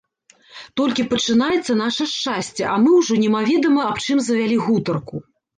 Толькі пачынаецца наша шчасце, а мы ўжо немаведама аб чым завялі гутарку.